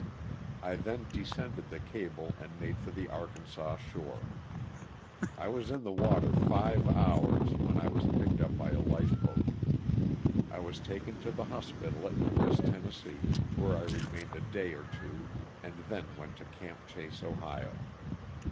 I then descended the cable and made for the Arkansas shore. I was in the water five hours, when I was picked up by a lifeboat. I was taken to the hospital at Memphis, Tenn., where I remained a day or two and then went to Camp Chase, Ohio.